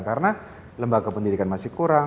karena lembaga pendidikan masih kurang